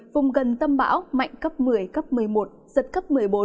vùng gần tâm bão mạnh cấp một mươi cấp một mươi một giật cấp một mươi bốn